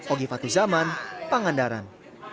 ogi fatu zaman pangandaran